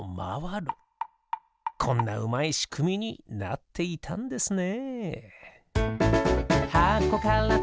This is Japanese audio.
こんなうまいしくみになっていたんですね。